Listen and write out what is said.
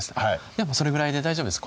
それぐらいで大丈夫です